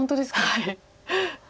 はい。